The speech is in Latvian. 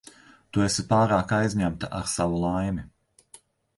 Tu esi pārāk aizņemta ar savu laimi.